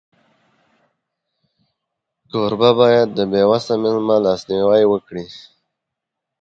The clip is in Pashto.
کوربه باید د بېوسه مېلمه لاسنیوی وکړي.